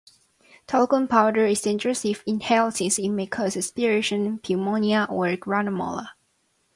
Talcum powder is dangerous if inhaled since it may cause aspiration pneumonia or granuloma.